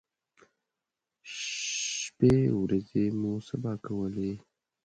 شپی ورځې مو سبا کولې.